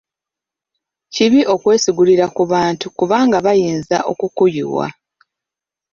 Kibi okwesigulira ku bantu kubanga bayinza okukuyiwa.